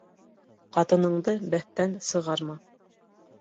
Ҡатыныңды бәҫтән сығарма.